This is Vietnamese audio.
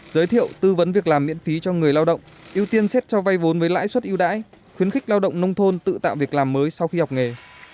giới thiệu tư vấn việc làm miễn phí cho người lao động ưu tiên xét cho vay vốn với lãi suất yêu đãi khuyến khích lao động nông thôn tự tạo việc làm mới sau khi học nghề